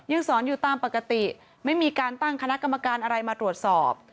สอนอยู่ตามปกติไม่มีการตั้งคณะกรรมการอะไรมาตรวจสอบ